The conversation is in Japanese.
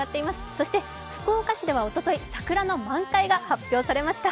そして福岡市ではおととい、桜の満開が発表されました。